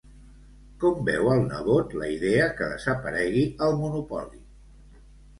Com veu el nebot la idea que desaparegui el monopoli?